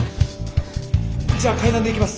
じゃあ階段で行きます！